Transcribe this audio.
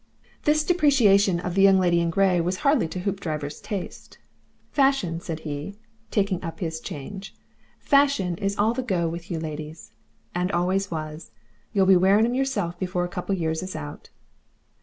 This depreciation of the Young Lady in Grey was hardly to Hoopdriver's taste. "Fashion," said he, taking up his change. "Fashion is all the go with you ladies and always was. You'll be wearing 'em yourself before a couple of years is out."